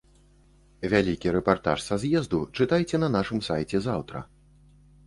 Вялікі рэпартаж са з'езду чытайце на нашым сайце заўтра.